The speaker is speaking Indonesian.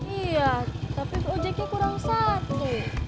iya tapi ojeknya kurang satu